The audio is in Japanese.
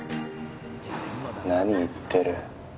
何言ってる。